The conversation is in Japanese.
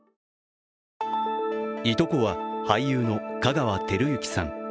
いとこは俳優の香川照之さん。